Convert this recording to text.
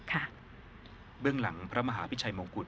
ปวงประชาทั่วรัฐศีรมาตร์อาณาจักรค่ะเบื้องหลังพระมหาพิชัยมงกุฎ